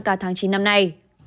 cả tháng chín năm nay